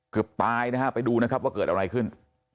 เกือบตายนะฮะไปดูนะครับว่าเกิดอะไรขึ้น